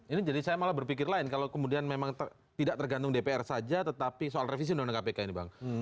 ini jadi saya malah berpikir lain kalau kemudian memang tidak tergantung dpr saja tetapi soal revisi undang undang kpk ini bang